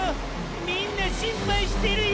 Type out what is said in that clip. みんな心配してるよ